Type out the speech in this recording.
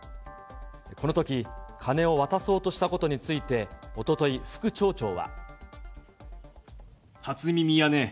このとき、金を渡そうとしたことについて、おととい、初耳やね。